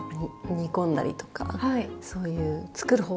煮込んだりとかそういう作る方は好きです。